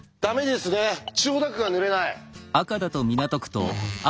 千代田区が塗れない。